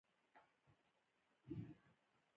زردالو د کلیو عامه مېوه ده.